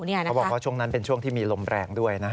เขาบอกว่าช่วงนั้นเป็นช่วงที่มีลมแรงด้วย